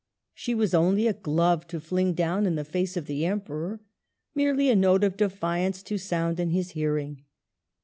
She was only a glove to fling down in the face of the Emperor, merely a note of defiance to sound in his hearing.